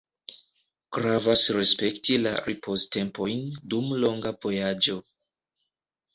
Gravas respekti la ripoztempojn dum longa vojaĝo.